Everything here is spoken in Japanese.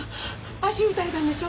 足撃たれたんでしょ！？